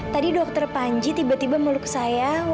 tadi dokter panji tiba tiba meluk saya